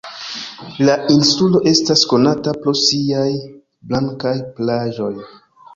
La insulo estas konata pro siaj blankaj plaĝoj.